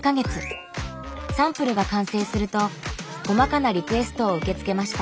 サンプルが完成すると細かなリクエストを受け付けました。